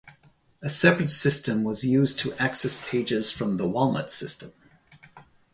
A separate system was used to access pages from the Walnut system.